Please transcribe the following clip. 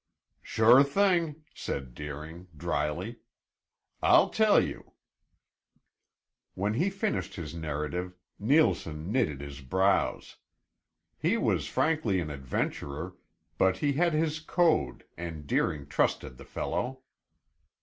"Sure thing," said Deering, dryly. "I'll tell you " When he finished his narrative, Neilson knitted his brows. He was frankly an adventurer, but he had his code and Deering trusted the fellow.